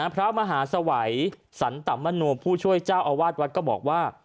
พระมหาสวัยสันตมโนผู้ช่วยเจ้าอาวาสวัดก็บอกว่า